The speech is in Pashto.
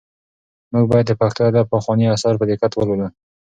موږ باید د پښتو ادب پخواني اثار په دقت ولولو.